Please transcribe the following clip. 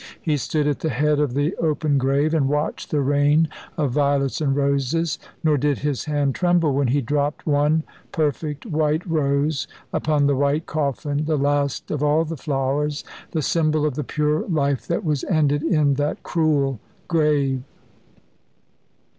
He stood at the head of the open grave, and watched the rain of violets and roses, nor did his hand tremble when he dropped one perfect white rose upon the white coffin, the last of all the flowers, the symbol of the pure life that was ended in that cruel grave.